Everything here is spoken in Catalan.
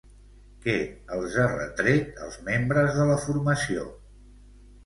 Què els ha retret als membres de la formació?